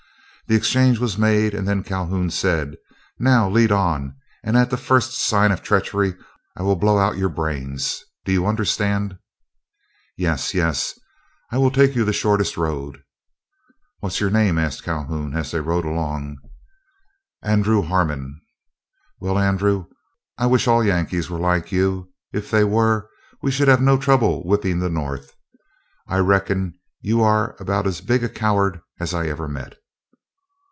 The exchange was made, and then Calhoun said, "Now lead on, and at the first sign of treachery, I will blow out your brains. Do you understand?" "Yes, yes, I will take you the shortest road." "What's your name," asked Calhoun, as they rode along. "Andrew Harmon." "Well, Andrew, I wish all Yankees were like you. If they were, we should have no trouble whipping the North. I reckon you are about as big a coward as I ever met."